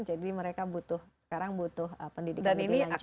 jadi mereka butuh sekarang butuh pendidikan lebih lanjut